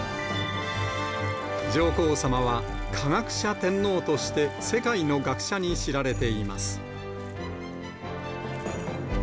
上皇さまは科学者天皇として、世界の学者に知られています。